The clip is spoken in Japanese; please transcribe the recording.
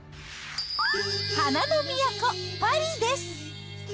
花の都、パリです。